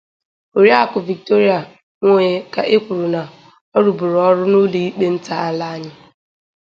Oriakụ Victoria Nwoye ka e kwuru na ọ rụbụrụ ọrụ n'ụlọ ikpe ntà ala anyị